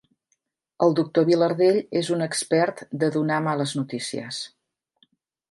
El doctor Vilardell és un expert de donar males notícies.